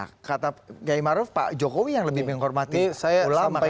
nah kata kiai maruf pak jokowi yang lebih menghormati ulama